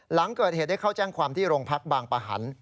หลังเกิดเหตุได้เข้าแจ้งความที่โรงพักบางประหัน